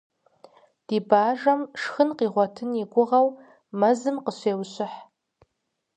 Ди бажэм шхын къигъуэтын и гугъэу мэзым къыщеущыхь.